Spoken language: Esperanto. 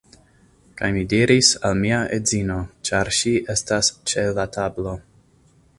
Kaj mi diris al mia edzino, ĉar ŝi estas ĉe la tablo: